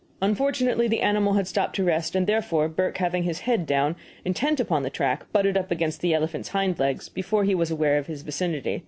Unfortunately the animal had stopped to rest; therefore, Burke having his head down, intent upon the track, butted up against the elephant's hind legs before he was aware of his vicinity.